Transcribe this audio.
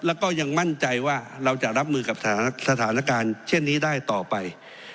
แล้วก็ยังมั่นใจว่าเราจะรับมือกับสถานการณ์เช่นนี้ได้ต่อไป